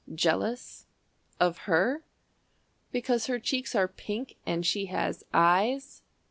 "Jealous of Her? Because her cheeks are pink, And she has eyes?